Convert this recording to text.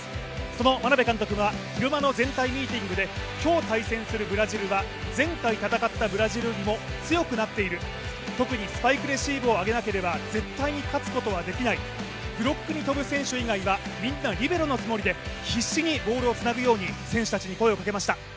その眞鍋監督は昼間の全体ミーティングで今日対戦するブラジルは前回戦ったブラジルよりも強くなっている、特にスパイクレシーブを上げなければ絶対に勝つことはできない、ブロックに跳ぶ選手以外はみんなリベロのつもりで必死にボールをつなぐように選手たちに声をかけました。